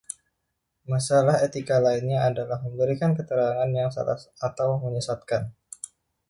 Masalah etika lainnya adalah memberikan keterangan yang salah atau menyesatkan.